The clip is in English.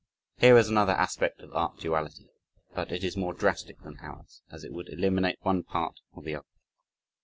Here is another aspect of art duality, but it is more drastic than ours, as it would eliminate one part or the other.